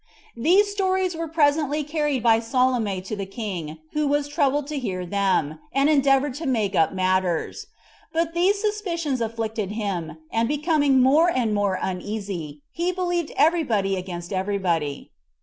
These stories were presently carried by Salome to the king, who was troubled to hear them, and endeavored to make up matters; but these suspicions afflicted him, and becoming more and more uneasy, he believed every body against every body.